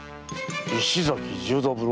石崎十三郎？